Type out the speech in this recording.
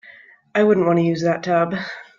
I wouldn't want to use that tub.